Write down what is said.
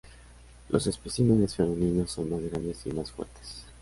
Los especímenes femeninos son más grandes y más fuertes.